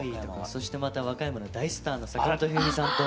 そしてまた和歌山の大スターの坂本冬美さんと。